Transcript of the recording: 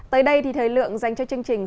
tới đây thì thời lượng dành cho chương trình